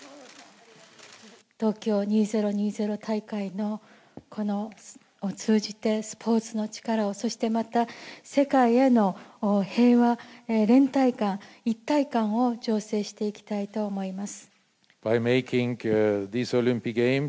東京２０２０大会を通じて、スポーツの力を、そしてまた、世界への平和、連帯感、一体感を調整していきたいと思います。